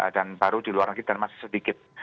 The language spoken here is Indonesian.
dan baru di luar negeri dan masih sedikit